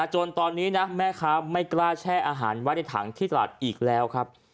จนตอนนี้นะแม่ค้าไม่กล้าแช่อาหารไว้ในถังที่ตลาดอีกแล้วครับ